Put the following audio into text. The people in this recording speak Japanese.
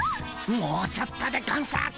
もうちょっとでゴンス。